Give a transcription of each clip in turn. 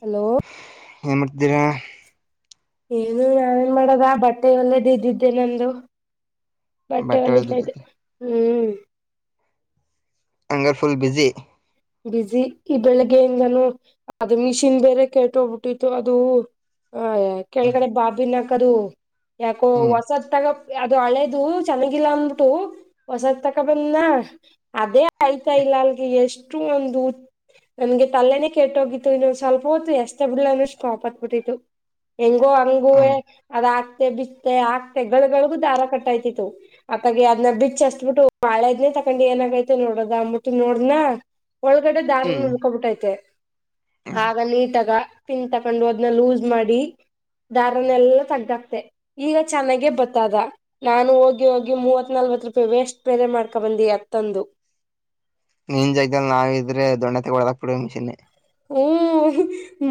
hello [unintelligible] ಏನು ಮಾಡ್ತೀರಾ [unintelligible] ಏನು ನಾನೇನ್ ಮಾಡೋದ ಬಟ್ಟೆ ಒಳ್ಳೇದು ಇದ್ದಿದ್ದೆ ನಂದು [unintelligible] ಬಟ್ಟೆ ಒಳದ್ ಹೊಲಿತ ಇದ್ದೆ ಬಿದ್ದೈತಿ ಹ್ಮ್ [unintelligible] ಅಂಗರ್ಫುಲ್ ಬಿಝಿ [unintelligible] ಬಿಸಿ ಈ ಬೆಳಿಗ್ಗೆಯಿಂದ ನಾನು ಅದು ಮಿಷಿನ್ ಬೇರೆ ಕೆಟ್ಟೋಗ್ಬಿಟ್ಟಿತ್ತು ಅದು [unintelligible] ಹ ಕೆಳಗಡೆ ಬಾಬಿನಕದು [unintelligible] ಯಾಕೋ ಹ್ಮ್ ಹೊಸದ್ ತಗ ಅದು ಹಳೇದು ಚೆನ್ನಾಗಿಲ್ಲ ಅಂದಬಿಟ್ಟು [unintelligible] ಹೊಸದ ತಕ ಬಂದ್ನ ಅದೇ ಆಯ್ತಾ ಇಲ್ಲ ಅಲ್ಗೆ ಎಷ್ಟು ಒಂದು [unintelligible] ನನ್ಗೆ ತಲ್ಲೆನನೆ ಕೆಟ್ಟೋಗಿತ್ತು ಇನ್ನೊಂದು ಸ್ವಲ್ಪ ಹೊತ್ತು ಎಸ್ಥೆ ಬಿಡ್ಲಾ ಅನ್ನಷ್ಟ ಕೋಪ ಬಂದ್ ಬಿಟ್ಟಿತ್ತು [unintelligible] ಹೆಂಗೋ ಹ ಹಂಗುವೆ ಅದ ಹಾಕ್ತೆ ಬಿಸತೆ ಹಾಕ್ತೆ ಗಳಗಳಗು ದಾರ ಕಟ್ಟಾಯ್ತಿತ್ತು [unintelligible] ಅತಾಗ್ ಅದನ ಬಿಚ್ ಅಚ್ಬಿಟ್ಟು ಬಾಳೆದ್ನನೆ ತಕೊಂಡು ಏನಾಗೈತೆ ನೋಡದ ಅಂದ್ಬಿಟ್ಟು ನೋಡಧ್ನಾ [unintelligible] ಒಳಗಡೆ ದಾರ ಹ್ಮ್ ಉಡ್ಕೊಬಿಟ್ಟೈತೆ [unintelligible] ಆಗ ನೀಟಾಗ್ ಪಿನ್ ತಕೊಂಡು ಅದ್ನ ಲೂಸ್ ಮಾಡಿ [unintelligible] ದಾರನ್ಲ್ಲ ತಗ್ಗಾಕ್ತೆ ಈಗ ಚೆನ್ನಾಗೆ ಬತ್ತದ [unintelligible] ನಾನು ಹೋಗಿ ಹೋಗಿ ಮೂವತ್ ನಲ್ವತ್ ರೂಪಾಯಿ ವೇಸ್ಟ್ ಬೇರೆ ಮಾಡ್ಕೊ ಬಂದಿ ಅತ್ತೊಂದು [unintelligible] ನೀನ್ ಜಗದಲ್ಲಿ ನಾವು ಇದ್ರೆ ದೊಣ್ಣ ತಗಳದಾಕ್ ಬಿಡ್ನ್ನೆ [unintelligible] ಹ್ಮ್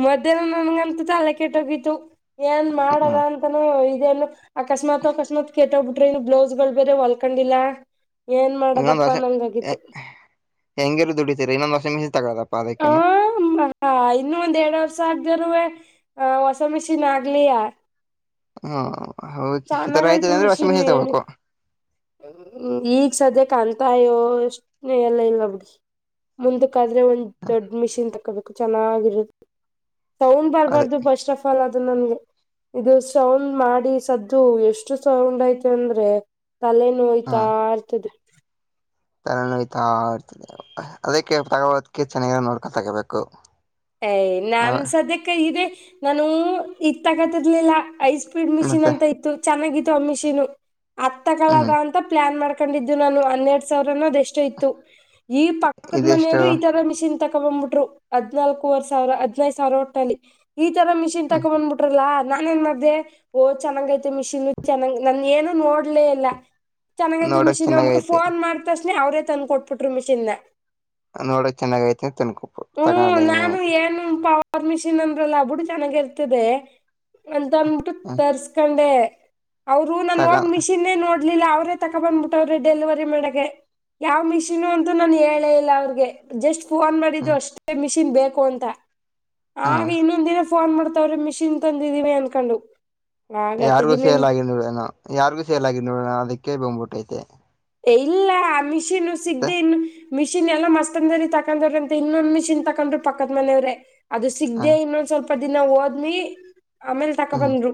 ಮಧ್ಯಾಹ್ನ ನನ್ಗಂತ ತಲೆ ಕೆಟ್ಟೋಗಿತು ಏನ್ ಮಾಡದ ಹ್ಮ್ ಅಂತ [unintelligible] ಾನ ಇದೇನು ಅಕಸ್ಮಾತ್ ಅಕಸ್ಮಾತ್ ಕೆಟ್ಟೋಗ್ಬಿಟ್ರಿ ಇ ಬ್ಲೌಸ್ ಗಳು ಬೇರೆ ಹೊಲ್ಕೊಂಡಿಲ್ಲಾ [unintelligible] ಏನ್ ಮಾಡದಪ್ಪಾ ನಂಗಗತು [unintelligible] ಹೆಂಗೆಲ್ಲ ದುಡಿತೀರಿ ಇನ್ನೊಂದುಸಷ ಮಿಸಿ ತಗೋಪ್ಪ ಅದಕ್ಕೇನು [unintelligible] ಹ ಇನ್ನು ಒಂದ್ ಎರಡ್ ವರ್ಷ ಆಗದರುವೆ ಹೊಸ ಮಿಷಿನ್ ಆಗ್ಲಯಾ [unintelligible] ಹ್ಮ ಹೆ ಈ ತರ ಚೆನ್ನಾಗಯ್ತು ಆಯ್ತದೆ ಅಂದ್ರೆ ವಷಿ ಮಿಹಲ್ ತಗೋಬೇಕು [unintelligible] ಹ್ಮ ಈಗ್ ಸದ್ಯ ಕಾಣ್ತಾಯೋ ಎಷ್ಟ ಎಲ್ಲ ಇಲ್ಲ ಬಿಡಿ [unintelligible] ಮುಂದಕ್ಕ ಆದ್ರೆ ಒಂದ್ ದೊಡ್ ಮಿಷಿನ್ ತಕೋಬೇಕು ಚೆನ್ನಾಗಿರುತ್ತೆ [unintelligible] ಸೌನ್ಡ್ ಅದೇ ಬರ್ಬಾರ್ದು ಬಸ್ [unintelligible] ಫಲ್ ಅದು ನನ್ಗೆ ಇದು ಸೌಂಡ್ ಮಾಡಿ ಸದ್ದು ಎಷ್ಟು ಸೌಂಡ್ ಐತೆ ಅಂದ್ರೆ [unintelligible] ತಲೆ ನೋಯ್ತಾ ಇರ್ತದೆ [unintelligible] ತಲೆ ನೋಯ್ತಾ ಇರ್ತದೆ ಅದಕ್ಕೆ ತಗೋದಕ ಚೆನ್ನಾಗಿರ ನೋಡ್ಕೊತಗೋಬೇಕು [unintelligible] ಯ ನಾನ್ ಸದ್ಯಕ್ಕೆ ಇದೆೇ ನಾನೂ ಇ ತಗತಿರ್ಲಿಲ್ಲ ಐ [unintelligible] ೀಡ್ ಮಿಷಿನ್ ಮತ್ತೆ ಅಂತ ಇತ್ತು ಚೆನ್ನಾಗಿತ್ತು ಆ ಮಿಷಿನ್ ಅ ತ ಹ್ಮ್ ಕಳದ ಅಂತ ಪ್ಲಾನ್ ಮಾಡ್ [unintelligible] ಕಂಡಿದ್ದು ನಾನು ಹನ್ನೆರಡ್ ಸಾವಿರನ್ನ ಅದ್ ಎಷ್ಟೋ ಇತ್ತು ಈ ಪಕ್ಕದ ಇದೆಷ್ಟು ಮನೆಯರು ಈ ತರ ಮಿಷನ್ [unintelligible] ತಕೊ ಬಂಬ್ಬಿಟ್ರು ಹದ್ನಾಲ್ಕೂವರೆ ಸಾವಿರ ಹದಿನೈದು ಸಾವಿರ ಒಟ್ಟಲ್ಲಿ [unintelligible] ಈ ತರ ಮಿಷಿನ್ ಹ್ಮ್ ತಕೊ ಬಂದ್ಬಿಟ್ರಲ್ಲಾ ನಾನೇನ್ ಮಧ್ಯ್ದೆ [unintelligible] ಓಹ್ ಚೆನ್ನಾಗೈತೆ ಮಿಷಿನ್ ಚೆನ್ನಾಗ್ ನನ್ ಏನು ನೋಡ್ಲೇ ಎಲ್ಲ [unintelligible] ಚೆನ್ನಾಗೈಐತಿ ನೋಡಕ್ ಮಿಷಿನ್ ಅಂದ್ಬಿಟ್ಟು ಚೆನ್ನಾಗೈತೆ ಫೊನ್ ಮಾಡತಕ್ಷಸ್ಣೆ ಅವ್ರೇ ತಂದ್ಕ ಕೊಟ್ಬಿಟ್ರಿ ಮಿಷಿನ [unintelligible] ನೋಡೋಕ್ ಚೆನ್ನಾಗ ಐತೆತಿ ತನ್ಕೊಪ್ಪು [unintelligible] ಹ್ಮ್ ನಾನು ಏನು ಪವರ್ ಮಿಷಿನ್ ಅಂದ್ರಲ್ಲ ಬಿಿಟ್ಟಡು ಚೆಾಗಿ ಇರ್ತದೆ ಅಂತಂದ [unintelligible] ತರ್ಕೊಂಡೆ ಅವರು ನ ಹ ತಗ ಮಿಷಿನ್ [unintelligible] ೇ ನೋಡ್ಲಿಲ್ಲ ಅವ್ರೇ ತಕೊ ಬಂದ್ಬಿಟ್ಟವ್ರಿ ಡೆಲಿವರಿ ಮಾಡೆ [unintelligible] ಯಾವ ಮಿಷಿನು ಅಂತೂ ನಾನು ಹೇಳೇ ಇಲ್ಲ ಅವ್ರಿಗೆ [unintelligible] ಜಸ್ಟ್ ಫೋನ್ ಮಾಡಿದ್ದು ಅಷ್ಟೇ ಮಿಷಿನ್ ಬೇಕು ಅಂತ ಹ ಆಗ ಇನ್ನೊಂದಿನ ಫೋನ್ ಮಾಡ್ತಾವ್ರೆ ಮಿಷಿನ್ ತಂದಿದೀವಿ ಅಂದಕೊಂಡು ಯಾರಿಗು ಸೇಲ್ ಆಗಿ ನೋಡೋಣ ಯಾರಿಗೂ ಸೇಲ್ ಆಗರ್ ನೋಡಣ ಅದಕ್ಕೆ ಬೊ್ಬಿಟ್ಟೈತೆ ಇಲ್ಲ ಮಿಷೆನು ಸಿಗ್ದೇನು ಮಿಷಿನ್ ಎಲ್ಲ ಮಸ್ ಅಂದರಿ ತಕೊಂಡ್ರ ಅಂತ ಇನ್ನೊಂದ್ ಮಿಷಿನ್ ತಕೊಂಡ್ರು ಪಕ್ಕದ ಮನೆಯವ್ರೆ ಅದು ಹ ಸಿಗ್ದ ಇನ್ನೊಂದ್ ಸ್ವಲ್ಪ ದಿನ ಓದ್ಮಿ ಆಮೇಲ್ ತಕ ಹ್ಮ್ ಬಂದ್ರು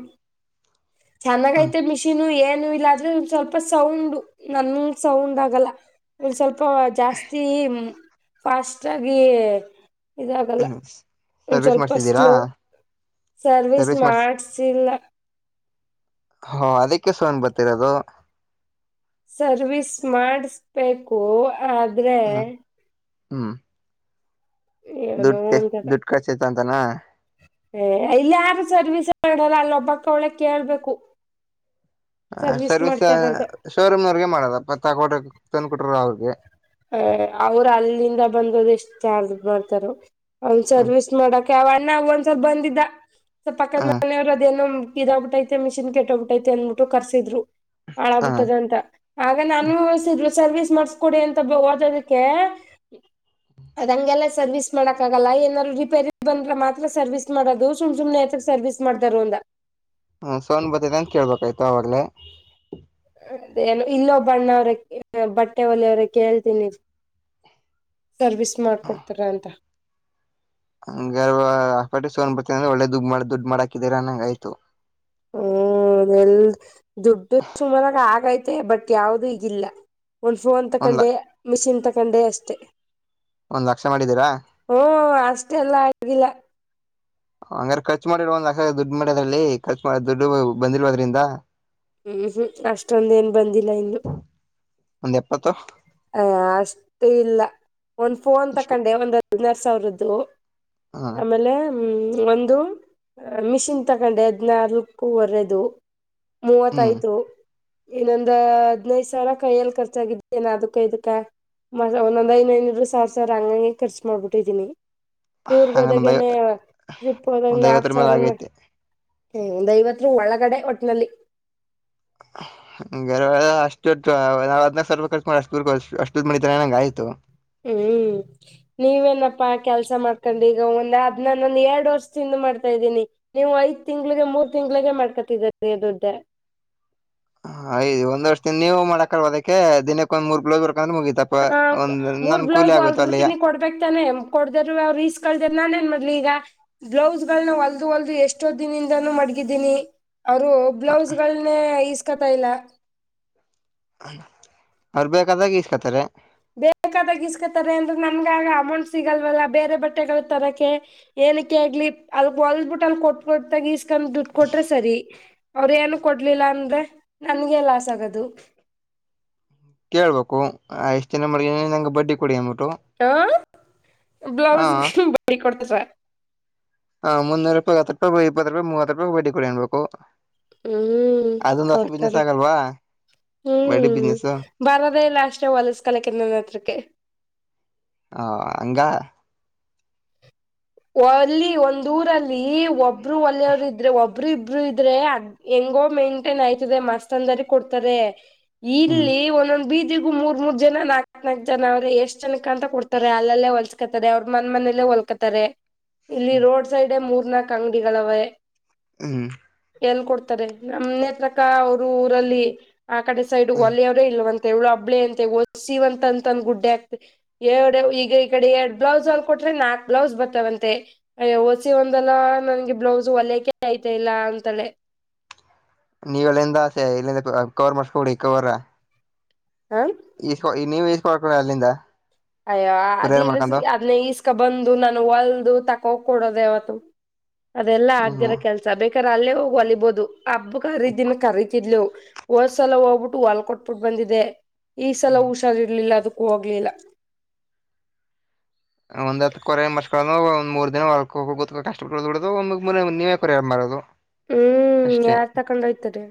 ಹ್ಮ್ ಚೆನ್ನಾಗಐತೆ ಮಿಷೀನ್ ಏನು ಇಲ್ಲ ಆದ್ರೆ ಒ ಸ್ವಲ್ಪ ಸೌಂಡ್ ನನ್ ಸೌಂಡ್ ಆಗಲ್ಲ ಒಂದು ಸ್ವಲ್ಪ ಜಾಸ್ತಿ ಪಷ್ಟಟ ಗ ಇದಾಗಲ್ಲ ಹ್ಮ್ ಒಂದ ಸರ್ವಿಸ್ ಸ್ವಲ್ಪ ಮಾಡ್ಸಿದ್ದೀರಾ ಸ್ಲೋ ಸರ್ವಿಸ್ ಮಾಡ ಸಿಿಲ್ಲ ಹಾ ಅದಕ್ಕೆ ಸೋನ್ ಬರ್ತಿರೋದು ಸರ್ವಿಸ್ ಮಾಡಿಸಬೇಕು ಆದ್ರೆ ಹಾ ಏನೋ ದುಡ್ಡು ಒಂತರ ದುಡ್ಡು ಖರ್ಚೈತ ಅಂತನ ಏ ಇಲ್ಲ ಯಾರು ಸರ್ವಿಸ್ ಮಾಡಲ್ಲ ಅಲ್ಲ ಒಬ್ಬಕ್ಕ ಅವಳ ಕೇಳ್ಬೇಕು ಹ ಸರ್ವಿಸ್ ಶೋರೂಮ್ನವ್ರಗೆ ಮಾಡದಪ್ಪತ್ ಹಾಕಡ ತಂದಕಟ್ರ ಅವ್ರಿಗೆ ಅ ಅವ್ರು ಅಲ್ಲಿಂದ ಬಂದದು ಎಷ್ಟ್ ಚಾರ್ಜ್ ಬರ್ತಾರ ಅವನ್ ಸರ್ವಿಸ್ ಮಾಡಕ ಅವ ಅಣ್ಣ ಒಂದ್ ಸ್ವಲ್ಪ ಬಂದಿದ್ದ ಸ್ವಲ್ಪ ಹ ಪಕ್ಕದ ಮನೆಯವ್ರು ಅದೇನ ಇದಗ್ಬಿಟ್ಟೈತೆ ಮಿಷಿನ್ ಕೆಟ್ಟ್ಬಿಟ್ಟೈತೆ ಅಂದಬಿಟ್ಟು ಕರ್ಸಿದ್ರು ಹಾಳಗ್ಬಿಟ್ಟದ ಹ ಅಂತ ಆಗ ನ ಅನ್ಭವಸಿದ್ರು ಸರ್ವಿಸ್ ಮಾಡಸ್ಕೊಡಿ ಅಂತ ಓದೋದಕ್ಕೆ ಅದಂಗೆಲ್ಲ ಸರ್ವಿಸ್ ಮಾಡಕ್ ಆಗಲ್ಲ ಏನಾರರು ರಿಪೇರಿ ಬಂದ್ರ ಮಾತ್ರ ಸರ್ವಿಸ್ ಮಾಡೋದು ಸುಮ್ ಸುಮ್ನೆ ಆತ ಸರ್ವಿಸ್ ಮಾಡತಾರ ಒಂದ ಹ್ಮ ಸೋನ್ ಬತ ಅಂತ ಕೇಳ್ಬೇಕಾಯ್ತು ಆಾಗೇ ಅದೇನು ಇಲ್ಲೋ ಬಣ್ಣವ್ರ ಬಟ್ಟೆ ಒಲೆಯವ್ರ ಕೇಳ್ತೀನಿ ಸರ್ವಿಸ್ ಮಾಡ್ಕೊಡ್ತಾರ ಅಂತ ಹ ಗರ್ವಪ ಸನ್ ಬರ್ತ ಅಂದ್ರ ಒೆ ದುಡ್ ಮಾಡಿ ದುಡ್ ಮಾಡಾಕಿದೀರಂಗ ಆಯ್ತು ಹ್ಮ ಎಲ್ ದುಡ್ಡು ಸುಮಾರಾಗ ಆಗೈತೆ ಬಟ್ ಯಾವ್ದೂ ಈಗಿಲ್ಲ ಒಂದು ಫೋನ್ ಒಂದ್ ತಕೊಂಡೆ ಮೆಷಿನ್ ತಕೊಂಡೆ ಅಷ್ಟೆ ಒಂದ್ ಲಕ್ಷ ಮಾಡಿದ್ದೀರಾ ಹಓ ಅಷ್ಟೆಲ್ಲ ಆಗ್ಿಲ್ಲ ಹಂಗ್ರ ರ್ಚ್ ಮಾಡಿಲ್ ಒ್ ಅಸ ದುಡ್ಡು ಮಾಡ್ಯದ ಅಲ್ಲಿ ರ್ ಮಾಡ ದುಡ್ಡು ಬಂದಿಲ್ವ ಅದ್ರಿಂದ ಹ್ಮ್ ಹ್ಮ್ ಅಷ್ಟೊಂದ ಏನ್ ಬಂದಿಲ್ಲ ಇಂದು ಒಂದ್ ಎಪ್ಪತ್ತ ಹ ಅಷ್ಟು ಇಲ್ಲ ಒಂದ್ ಫೋನ್ ಎಷ್ಟು ತಕೊಂಡೆ ಒಂದ ನರ್ಸ್ ಅವ್ರದ್ದು ಹ ಆಮೇಲೆ ಹ್ಮ ಒ ಅ ಮಿಷಿನ್ ತಗೊಂಡೆ ಹದ್ನಾಲ್ಕುವರೆದು ಹ್ಮ್ ಮೂವತ್ತಾಯತ ಇನೊಂದ ಹದ್ನೈದ್ ಸಾವಿರ ಕೈಯಲ್ಲಿ ಖರ್ಚಾಗಿದ್ದ ನ ಅದಕ್ಕ ಇದಕ್ಕ ಒಂದೊಂದ ಐದನೈನೂರು ಸಾವಿರ ಸಾವಿರ ಹಂಗಂಗೆ ಖರ್ಚು ಮಾಡ್ಬಿಟ್ಟಿದೀನಿ ಟೂರ್ ಹಂಗ ಒಂದ್ ಹೋದಾಗ ಐ ನೆ ಟ್ರಿಪ್ ಹೋದಾಗ ಒಂದ್ ನಾಕ ಐವತ್ತರ ಮೇಲೆ ಸಾವಿರ ಆಗೈತೆ ಏ ಒಂದಐವತ್ರ ಒಳಗಡೆ ಒಟ್ಟಿನಲ್ಲಿ [inaudible] ಗರವ ಅಷ್ಟ ನಾವ್ ಹದಿನನಾ ಸಾವಿ ರೂಪ ಕರ್ಕಿ ಅಷ್ಟು ಅಷ್ಟೊ್ ಮಣಿಿದ ನಂಗ ಆ್ತು ಹ್ಮ್ ನೀವೇನಪ್ಪಾ ಕೆಲ್ಸ ಮಾಡ್ಕೊಂಡು ಈಗ ಒಂದ್ ಹದ್ ನಾನೊಂದ್ ಎರಡು ವರ್ಷ ತಿಿಂದ ಮಾಡ್ತಾ ಇದ್ದೀನಿ ನೀವು ಐದ್ ತಿಂಗ್ಳಿಗೆ ಮೂರ್ ತಿಂಗ್ಳಿಗೆ ಮಾಡ್ಕೊತಿದ್ದೀರ ದುಡ್ಡೇ ಯ್ದು ಒಂದ ವರ್ಷದಿನ ನೀವು ಮಾಡಕಲ್ ಅದಕ್ಕೆ ದಿನಕ್ಕೆ ಒಂದ್ ಮೂರ್ ಬ್ಲೌಸ್ ಬರ್ಕಂದ್ರೆ ಮುಗಿತ ಹ ಮೂರ್ ಬ್ಲೌಸ್ ಹೊಲ್ದ ಬಿಡ್ತೀನಿ ಕೊಡ್ಬೇಕೇಕ್ ತಾನೆ ಕೊಡ್ದರು ಅವ್ರು ಈಸ್ ಕಳ್ದರ್ ನಾನ್ ಏನ್ ಮಾಡ್ಲಿ ಈಗ ಬ್ಲೌಸ್ಗಳನ್ನ ಹೊಲ್ದು ಹೊಲ್ದು ಎಷ್ಟೋ ದಿನದಿಂದಾನೂ ಮಡಗಿದೀನಿ ಅವರು ಬ್ಲೌಸ್ ಗಳನೆ ಇಸ್ಕೊತಾ ಇಲ್ಲ ಅವ್ರು ಬೇಕಾದಾಗ ಇಸ್ಕತ್ತಾರೆ ಬೇಕಾದ ಇಸ್ಕೊತಾರೆ ಅಂದ್ರೆ ನಮ್ಗ ಆಗ ಅಮೌಂಟ್ ಸಿಗಲ್ವಲ್ಲ ಬೇರೆ ಬಟ್ಟೆಗಳು ತರಕೆ ಏನಕ್ಕೆ ಆಗ್ಲಿ ಅದ ಹೊಲ್ಬಿಟ್ಟನ್ ಕೊಟ್ಟ ಕೊಟ್ಟತಾಗ ಇಸ್ಕೊಂಡ್ ದುಡ್ ಕೊಟ್ರೆ ಸರಿ ಅವ್ರಏನು ಕೊಡ್ಲಿಲ್ಲ ಅಂದ್ರೆ ನನ್ಗೆ ಲಾಸ್ ಆಗದು ಕೇಳ್ಬೇಕು ಎಷ್ಟು ಜನ ಮಾಡ್ ನಂಗೆ ಬಡ್ಡಿ ಕೊಡಿ ಅಂದ್ಬಿಟ್ಟು ಹ ಹ ಬ್ಲೌಸ್ ಬಡ್ಡಿ ಕೊಡ್ತದ ಹಾ ಮುನ್ನೂರು ರಪಿ ಹತ್ತು ರೂಪಿ ಇಪ್ಪತ್ತು ರೂಪಾಯ ಮೂವತ್ತು ರೂಪಾಯಿ ಬೇಿ ಕೊಡಿ ಅನ್ಬೇಕು ಹ್ಮ್ ಅದೊಂದು ಹೊಸ ಕೊಡ್ತಾರ ಬಿಸ್ನೆಸ್ ಆಗಲ್ವಾ ಬಡ್ಡಿ ಹ್ಮ್ ಬಿಸ್ನೆಸ್ ಬರೋದೇ ಇಲ್ಲ ಅಷ್ಟೇ ಹೊಲಿಸ್ ಕಲಕ್ಕೆನ್ನನ್ ಹತ್ರಕ ಹ ಹಂಗ ಅಲ್ಲಿ ಒಂದ ಊರಲ್ಲಿ ಒಬ್ರು ಒಳ್ಳೆಯವರು ಇದ್ರೆ ಒಬ್ರು ಇಬ್ರು ಇದ್ರೆ ಹೆಂಗೋ ಮೇಂಟೇನ್ ಆಯ್ತದೆ ಮಸ್ತ್ ಅಂದಾರಿ ಕೊಡ್ತಾರೆ ಹ್ಮ್ ಇಲ್ಲಿ ಒಂದೊಂದ್ ಬೀದ ಇದಗೂ ಮೂರ್ ಮೂ ಜನ ನಾಕ್ತ್ ನಾಕಕ್ ಜನ ಅವ್ರೆ ಎಷ್ಟ್ ಜನ ಕ ಅಂತ ಕೊಡ್ತಾರೆ ಅಲ್ಲೇ ಹೊಲ್ಸ್ಕತಾರೆ ಅವ್ರ ಮನೇಲ್ಲೇ ಹೊಲ್ ಹಾತಾರೆ ಇಲ್ಲಿ ರೋಡ್ ಸೈಡ್ ಮೂರ್ ನಾಕ್ ಅಂಗಡಿಗಳವೆೆ ಹ್ಮ್ ಎಲ್ ಕೊಡ್ತಾರೆ ನಮನೆೇತ್ರಕ ಅವರು ಊರಲ್ಲಿ ಆ ಕಡೆ ಸೈಡ್ ಒಲೆಯವರು ಇಲ್ವಂತ ಎಳು ಅಬ್ಳ ಅಂತೆ ಒಸಿವಂತ ಅಂತಂದ ಗುಡ್ಡೆ ಆಗ್ತ ಎರಡು ಈಗ ಈ ಕಡೆ ಎರಡ್ ಬ್ಲೌಸ್ ಅಲ್ಲಿ ಕೊಟೆ ನಾಕ್ ಬ್ಲೌಸ್ ಬರ್ತಾವವಂತ ಮತ್ತ ಸಿ ಒಂದಲ್ಲಾ ನನ್ಗೆ ಬ್ಲೌಸ್ ಒಲಕೆ ಐ್ತೆ ಇಲ್ಲ ಅಂತಳೆ ನೀವ ಎಲ್ಲಿಂದ ಆಸೆ ಎಲ್ಲಿಂದ ಕವರ್ ಮಾಡಸ್ಕೊಡಿ ಕವರ್ ಹಾ ಇಸ್ ನೀವ್ ಇಸ್ ಮಾಡಕೋಿ ಅಲ್ಲಿಂದ ಅಯ್ಯೋ ಕೊರಿಯರ್ ಅದಿಲ್ಸ್ ಮಾಡ್ಕೊಂಡು ಅದ್ನ ಈಸ್ಕಬಂದು ನಾನು ಒಲ್ದು ತಕೋಹೋಗ್ ಕೊಡೋದ್ ಯಾವತ್ತು ಅದೆಲ್ಲಾ ಆಗ್ದೆ ಇರ ಹ್ಮ್ ಕೆಲ್ಸ ಬೇಕಾದ್ರೆ ಅಲ್ಲೇ ಹೋಗಿ ಒಲಿಬೋದು ಹಬ್ಬ ಹರೀದಿನಕ್ ಕರೀತಿದ್ಲು ಹೋದ್ಸಲ ಹೋಗ್ಬಿಟ್ಟು ಹೊಲ್ ಕೊಟ್ಬಿಟ್ಟು ಬಂದಿದ್ದೆ ಈ ಸಲ ಹ್ಮ್ ಹುಷಾರಿರ್ಲಿಲ್ಲ ಅದುಕ್ಕೂ ಹೋಗ್ಲಿಲ್ಲ ಒಂದ್ ಹತ್ತ್ ಕೊರೆ ಮಸ್ಕೊಲನ ಒಂದ್ ಮೂರ್ ದಿನ ಹೋಗೋ ಕಷ್ಟದು ಬಿಡದುಮ ನೀವೇ ಕೊರಿಾರಾರೋದು ಹ್ಮೂ ಯಾರ್ ತಕೊಂಡೊಯ್ತರೆ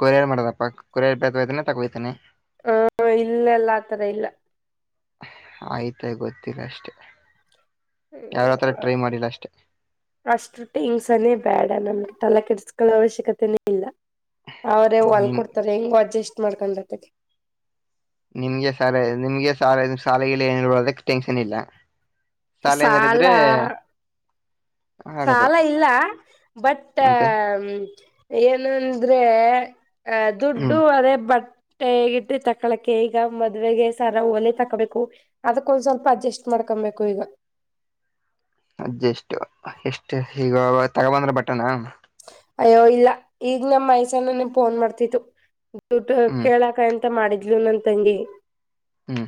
ಕೊರಿಯರ್ ಮಾಡದಪ್ಪಾ ಕೊರಿಯರ್ ಬೆಗಹೊಯ್ತಾನೆ ತಗೋತಾನನೆ ಹ್ಮೂ ಇಲ್ಲೇಲ್ಲ ಆ ತರ ಇಲ್ಲ ಐತೆ ಗೊತ್ತಿಲ್ಲ ಅಷ್ಟೆ ಯಾವತ್ತದ್ರ ಟ್ರೈ ಮಾಡಿಲ್ಲ ಅಷ್ಟೆ ಅಷ್ಟು ಟಿಂಗ್ಸನ್ನೆ ಬೇಡ ನಮ್ಗೆ ತಲೆ ಕೆಡಸ್ಕೊಳ್ಳೋ ಅವಶ್ಯಕತೆನೇ ಇಲ್ಲ ಅವ್ರೇ ಹೊಲ್ ನಿಮ್ ಕೊಡ್ತಾರೆ ಇಲ್ ಅಡ್ಜಸ್ಟ್ ಮಾಡ್ಕೊಂಡ್ ಬತ್ತದೆ ನಿಮ್ಗೆ ಸಾಲೆ ನಿಮ್ಗೆ ಸಾಲೆ ಸಾಲೆಗಿಲೆ ಏನುಇಲ್ವಲ್ಲ ಅದುಕ್ ಟೆನ್ಷನ್ ಇಲ್ಲ ಸಾಲೆ ಏನಾರಿದ್ರೆ ಸಾಲ ಸಾಲ ಇಲ್ಲ ಬಟ್ ಮತ್ತೆ ಮ್ ಏನಂದ್ರೇ ಅ ಹ್ಮ್ ದುಡ್ಡು ಅದೆ ಬಟ್ ಟೇ ಇಟ್ಟೀರ್ ತಕ್ಕಳಕ್ಕೆೆ ಈಗ ಮದ್ವೆೆಗೆ ಸರಾ ಓಲೆ ತಕ್ಕೊಬೇಕು ಅದುಕ್ಕೊಂದ್ ಸ್ವಲ್ಪ ಅಡ್ಜಸ್ಟ್ ಮಾಡ್ಕೊಬೇಕು ಈಗ ಅಜ್ಜೆಸ್ಟು ಎಷ್ಟು ಈಗ ತಗೊಬಂದ್ರ ಬಟ್ಟೆನಾ ಅಯ್ಯೋ ಇಲ್ಲ ಈಗ ನಮ್ಮ ಮೈಸಣ್ಣನೆ ನಿ ಫೋನ್ ಮಾಡ್ತಿತ್ತು ದುಡ್ ಹ್ಮ್ ಕೇಳಕಂತ ತ ಮಾಡಿದ್ಲು ನನ್ ತಂಗಿ ಹ್ಮು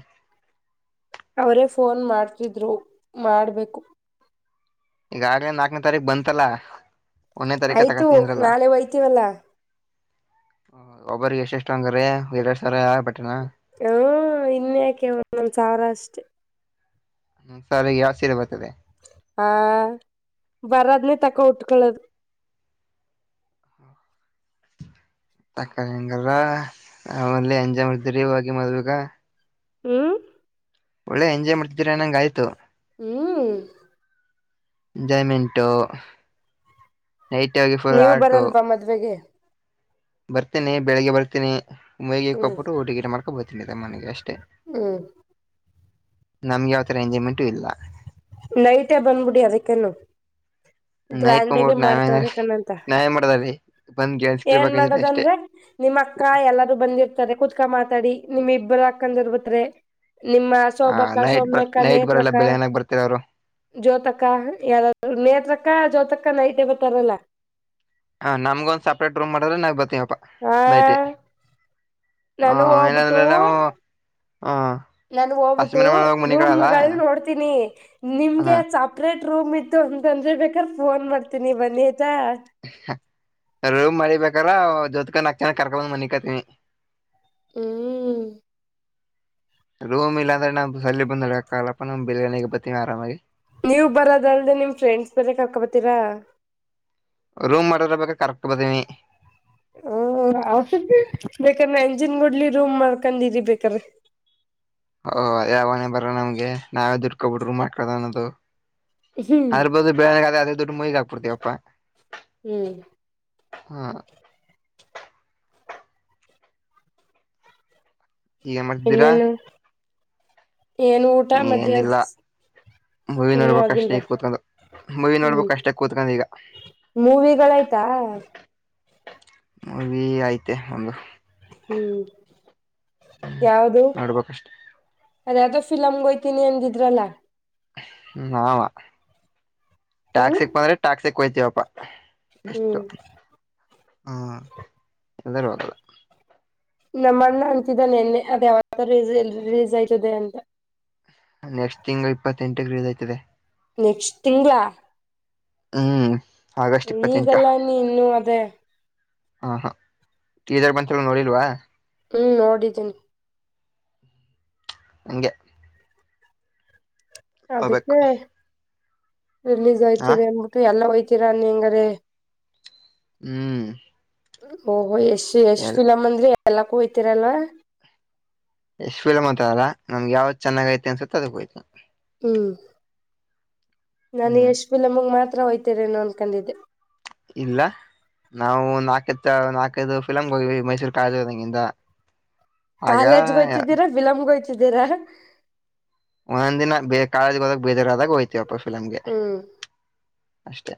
ಅವ್ರೇ ಫೋನ್ ಮಾಡ್ತಿದ್ರು ಮಾಡ್ಬೇಕು ಈಗಾಗ್ಲೇ ನಾಕ್ನೇ ತಾರೀಕ್ ಬಂತಲ್ಲ ಒಂದನೇ ತಾರೀಕ ಆಯ್ತು ತಗಿನಿಂದ್ರಲ್ಲ ನಾಳೆ ಒಯ್ತೀವಲ್ಲ ಒಬ್ಬರಿಗೆ ಎಷ್ಟ್ ಎಷ್ಟ್ ಹಂಗರ್ರೆ ಎರಡ್ ಸಾವ್ರ ಬಟ್ಟೆನ ಹು ಇನ್ನು ಯಾಕೆ ಒಂದೊಂದ್ ಸಾವ್ರ ಅಷ್ಟೇ ಒಂದ್ಸರಿಗೆ ಯಾವ್ ಸೀರೆ ಬರ್ತದೆ ಹಾ ಬರದ್ನೇ ತಕೋ ಉಟ್ಕೊಳ್ಳೊದು ತಕರಿ ಹಂಗರ ಒಳ್ಳೇ ಎಂಜಾಯ್ ಮಾಡ್ತೀರಿ ಇವಾಗ್ ಮದ್ವಿಗ ಇವ್ ಒಳ್ಳೆ ಎಂಜಾಯ್ ಮಾಡ್ತಿದ್ದಿರ ಅನಂಗ್ ಆಯ್ತು ಹ್ಮುವ್ ಂಜಯ್ ಮೆಂಟೂ ನೈಟ್ ಆಗಿ ನೀವ್ ಬರಲ್ವಾ ಮದ್ವೆೆಗೆ ಬರ್ತಿನಿ ಬೆಳಗ್ಗೆ ಬರ್ತಿನಿ ಮುಯ್ ಹ್ಮ್ ಕೊಟ್ಬಿಟ್ಟು ಊಟ ಗೀಟ ಮಾಡ್ಕೊ ಬರ್ತೀನತ್ತಗೆ ಮನೆಗೆ ಅಷ್ಟೆ ಹ್ಮು ನಮ್ಗೆಯಾವ್ತರ ಎಂಜಾಯ್ಮೆಂಟು ಇಲ್ಲ ನೈಟೇ ಬಂದ್ಬಿಡಿ ಅದಕ್ಕೆನು ಗ್ರ್ಯಾಂಡಗೆ ಮಾಡ್ತವ್ರೆ ಕನಂತ ನಾಯೇನ್ ಮಾಡದದಿ ಏನ್ ಮಾಡದಂದ್ರೆ ನಿಮ್ ಅಕ್ಕ ಎಲ್ಲಾರೂ ಬಂದಿ ತ್ತಾರೆ ಕುತ್ಕನ್ ಮಾತಾಡಿ ನಿಮ್ ಇಬ್ರು ಅಕ್ಕಂದ್ರು ಬಿಟ್ರೆ ನಿಮ್ಮ ಹ ಸೋಬಕ್ಕ ನೈಟ್ ಬ ಸೊಮ್ನಕ್ಕ ನೈಟ್ ಬರಲ್ಲ ನೇತ್ರಕ್ಕ ಬೆಳಗ್ನಾಗ ಬರ್ತಾರ ಅವರು ಜ್ಯೋತಕ್ಕ ಯಾರಾದ್ರು ನೇತ್ರಕ್ಕ ಜ್ಯೋತಕ್ಕ ನೈಟ್ ಇರ್ತಾರಲ್ಲ ಹಾ ನಮ್ಗಂದ್ ಸಪ್ರೇಟ್ ರೂಮ್ ಮಾಡಿದ್ರೆ ನಾವ್ ಬರ್ತಿವಪ್ಪ ಓ ಹಾ ಹೋಗ್ಬಿಟ್ಟು ಎಲ್ಲಾದ್ರಲ್ಲೂ ಹು ನನ್ಹೋಗ್ಬಿಟ್ಟು ರೂಮ್ಗಳ್ ನೋಡ್ತೀನಿ ನಿಮ್ಗೆ ಹ ಚಪ್ ಟ್ರೇಟ್ ರೂಮ್ ಇತ್ತು ಅಂತಂದ್ರೆ ಬೇಕದ್ರೆ ಫೋನ್ ಮಾಡ್ತೀನಿ ಬನ್ನಿ ಆಯ್ತಾ ರೂಮ್ ಮಾಡಿಬೇಕಾರ ಜೋತ್ಕ ನಾಕ್ ಜನ ಕರ್ಕೊಬಂದ್ ಮನಿಕತಿನಿ ಹ್ಮ್ ರೂಮ್ ಇಾಂದ್ರೆ ನಾ್ ಸಲ್ಲಿ ಬಂದ್ಕಲ್ಲಪ್ಪ ನಮ್ ಬಿರಿಯಿಿಗೆ ಬರ್ತೀವಿ ಆರಾಮಾಗಿ ನೀವು ಬರೋದಲ್ದೆ ನಿಮ್ ಫ್ರೆಂಡ್ಸ್ ಬರಕ್ ಕಾಕೊಬತೀರಾ ರೂಮ್ ಮಾಡಿರ ಬಾ ಕರೆಕ್ಟ್ ಬದೀನವಿ ಹ ಬೇಕಾರಾ ಎಂಜಿನ್ ಗಡ್ಲಿ ರೂಮ್ ಮಾಡ್ಕಿರಿ ಬೇಕ್ರ ಹಓ ಯಾವನೇ ಬರ ನಮ್ಗೆ ನಾವೇ ದುಡ್ಕೊಬ ಬಿಡರು ಮಾಡ್ಕ್ದ ಅನ್ನೋದು ಹ್ಮ್ ಆರ್ಬೋದು ಅದೇ ದುಡ್ಡು ಮೈಗ ಹಾಕ್ಬಡ್ತಿವಪ್ಪಾ ಹ್ಮ್ ಹಾ ಏನ್ ಮಾಡ್ತಿದ್ದೀರಾ ಇನ್ನೇನು ಏನು ಊಟ ಮಧ್ಯ ಏನಿಲ್ಲ ಮೂವಿ ನೋಡ್ಬೇಕಕ್ ಅಷ್ಟೇ ಇಗ್ತತ್ ಅದು ಮೂವಿ ಹ್ಮ್ ನೋಡ್ಬೇಕಕ್ು ಕಷ್ಟಕ್ ಕೂತ್ಕೊಂಡ ಈಗ ಮೂವಿಗಳಾಯ್ತಾ ಮೂವಿ ಆಯ್ತೆ ಒಂದು ಹ್ಮ್ ಯಾವ್ದ ನೋಡ್ಬೇಕಷ್ಟೆ ಅದೇದ ಫಲಮ್ಗೆೋಗಯ್ತನಿ ಅಂದಿದ್ರಲ್ಲ ನಾವ ಹ್ಮ್ ಟ್ಯಾಕ್ಸಿಕ್ ಬಂದ್ರೆ ಟ್ಯಾಕ್ಸಿಕ್ ಹೊಯ್ತೀವಪ್ಪಾ ಎಷ್ಟು ಹ್ಮ್ ಹ ಎಲ್ಲರೂ ಹದಲ್ಲ ನಮ್ಮ ಅಣ್ಣ ಅಂತಿದ್ದ ನಿೆನ್ನೆ ಅದ ಯಾವರಿಲೀಸ್ ಆಯ್ತದೆ ಅಂತ ನೆಕ್ಸ್ಟ್ ತಿಂಗಳು ಇಪ್ಪತ್ತೆಂಟ ರ್ರೀಸ್ ಆಯ್ತದೆ ನೆಕ್ಸ್ಟ್ ತಿಂಗಳಾ ಹ್ಮ್ ಆಗಸ್ಟ್ ಇಪ್ಪತ್ತೆಂಟು ಈಗಲ್ಲ ನೀ ಇನ್ನು ಅದೇ ಹಾ ಹಾ ಟೀಸರ್ ಬಂತ ಎಲ್ಲ ನೋಡಿಲ್ವಾ ಹ್ಮ್ ನೋಡಿದ್ದೀನಿ ನಿಂಗೆ ಹೋಗ್ಬೇಕು ಅದಕ್ಕೆ ರಿಲೀಸ್ ಹ ಆಯ್ತದೆ ಅನ್ಬಿಟ್ಟು ಎಲ್ಲ ಹಯ್ತೀರ ನೀ ಹೆಂಗಾರೆ ಹ್ಮ್ ಓಹೋ ಎಷ್ಟ್ ಎಷ್ಟ್ ಎಲ್ ಕಲಂದ್ರಿ ಎಲ್ಲ ಕೂಯ್ತರಲ್ವಾ ಎಷ್ಟುಫಲಮ್ತ ಅಲ್ಲ ನಮ್ಗೆ ಯಾವ್ದ ಚೆಾಗೈಐತಿ ಅಸ ಅದಕ್ಕೆ ಹೋಯ್ತು [unintelligible] ಹ್ಮ್ ನಾನು ಹ್ಮ್ ಯಶ್ ಫಿಲಂ ಗೆ ಮಾತ್ರ ಹೋಯ್ತಿರೇನೋ ಅನ್ಕೊಂಡಿದ್ದೆ ಇಲ್ಲ ನಾವು ನಾಲ್ಕತ್ತ ನಾಕೈದು ಫಿಲಮ್ ಹೋಗ್ವಿ ಮೈಸೂರು ಕದಂಗಿಂದ ಕಾಲೇಜ್ಗಯ್ಿದ್ದೀರಾ ಫ ಫಿಲಂ ಹೋಗ್ತಾ ಇದ್ದೀರಾ ಒಂದೊಂದಿನ ಕಾಲೇಜು ಹೋದಾಗ ಬೇಜರ್ ಆದಾಗ ಹಯ್ತೀವಪ್ಪ ಫಿಲಮ್ಗೆ ಹ್ಮ್ ಅಷ್ಟೆ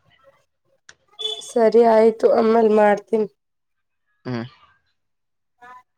ಸರಿ ಆಯ್ತು ಆಮೇಲ್ ಮಾಡ್ತೀನಿ ಹ್ಮ ಹಾ [unintelligible]